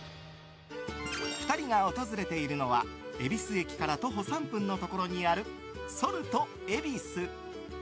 ２人が訪れているのは恵比寿駅から徒歩３分のところにあるＳａｌｔ恵比寿。